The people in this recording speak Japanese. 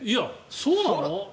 そうなの？